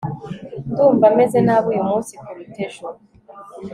ndumva meze nabi uyu munsi kuruta ejo